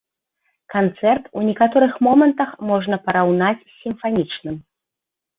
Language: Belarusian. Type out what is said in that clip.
Канцэрт ў некаторых момантах можна параўнаць з сімфанічным.